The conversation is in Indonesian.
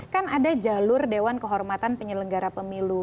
kan ada jalur dewan kehormatan penyelenggara pemilu